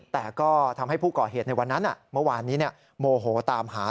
แต่ก็ทำให้ผู้ก่อเหตุในวันนั้นเมื่อวานนี้โมโหตามหา